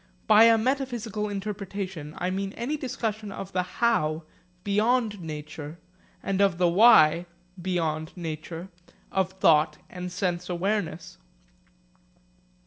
By a metaphysical interpretation I mean any discussion of the how (beyond nature) and of the why (beyond nature) of thought and sense awareness.